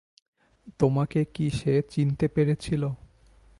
তোমাকে কি সে চিনতে পেরেছিল?